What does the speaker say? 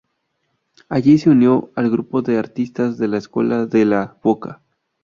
Allí se unió al grupo de artistas de la Escuela de La Boca.